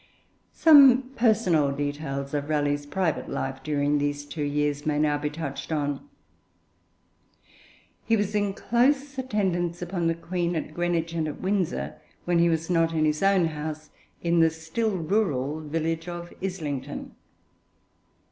Some personal details of Raleigh's private life during these two years may now be touched upon. He was in close attendance upon the Queen at Greenwich and at Windsor, when he was not in his own house in the still rural village of Islington.